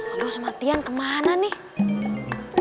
aduh sematian kemana nih